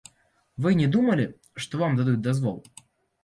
Вы не думалі, што вам дадуць дазвол.